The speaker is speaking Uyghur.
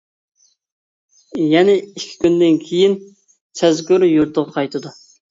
يەنە ئىككى كۈندىن كىيىن سەزگۈر يۇرتىغا قايتىدۇ.